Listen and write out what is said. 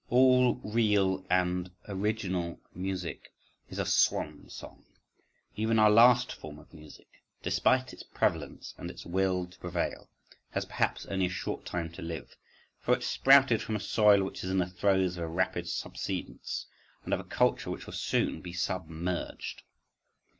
All real and original music is a swan song—Even our last form of music, despite its prevalence and its will to prevail, has perhaps only a short time to live, for it sprouted from a soil which was in the throes of a rapid subsidence,—of a culture which will soon be submerged.